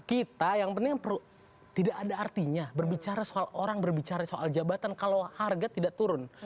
kita yang penting tidak ada artinya berbicara soal orang berbicara soal jabatan kalau harga tidak turun